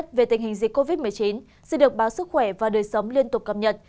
thứ nhất về tình hình dịch covid một mươi chín sẽ được báo sức khỏe và đời sống liên tục cập nhật